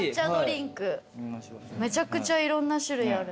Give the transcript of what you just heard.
めちゃくちゃいろんな種類ある。